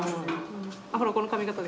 ほらこの髪形で。